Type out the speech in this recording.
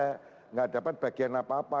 tidak dapat bagian apa apa